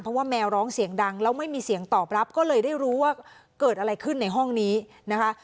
เพราะว่าแมวร้องเสียงดังแล้วไม่มีเสียงตอบรับก็เลยได้รู้ว่าเกิดอะไรขึ้นในห้องนี้นะคะ